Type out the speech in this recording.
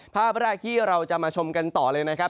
ภาพแรกที่เราจะมาชมกันต่อเลยนะครับ